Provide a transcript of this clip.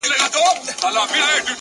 • په کوهي کي لاندي څه کړې بې وطنه ,